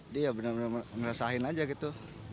dia bener bener meresahin aja gitu